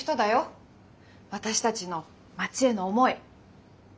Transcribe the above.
私たちの町への思い。